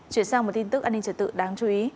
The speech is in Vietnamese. chuyển sang một tin tức an ninh trật tự đáng chú ý